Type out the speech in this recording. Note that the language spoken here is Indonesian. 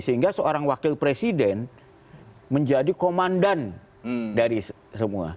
sehingga seorang wakil presiden menjadi komandan dari semua